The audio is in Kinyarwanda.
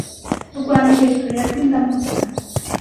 Rwa Miheto ya Rwindamutsa